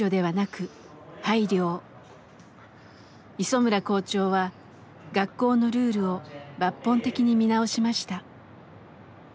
磯村校長は学校のルールを抜本的に見直しました。